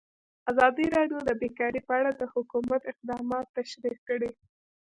ازادي راډیو د بیکاري په اړه د حکومت اقدامات تشریح کړي.